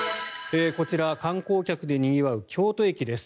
こちら、観光客でにぎわう京都駅です。